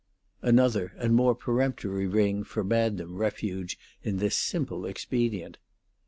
Another and more peremptory ring forbade them refuge in this simple expedient.